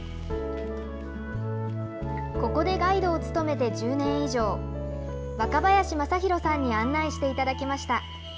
ここでガイドを務めて１０年以上、若林正浩さんに案内していただきました。